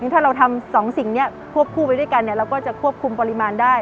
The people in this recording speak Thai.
ถ้าเราทำ๒สิ่งนี้ควบคู่ไปด้วยกันเราก็จะควบคุมปริมาณได้